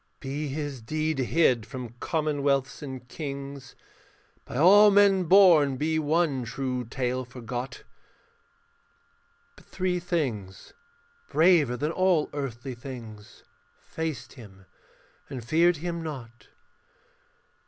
Be his deed hid from commonwealths and kings, By all men born be one true tale forgot; But three things, braver than all earthly things, Faced him and feared him not.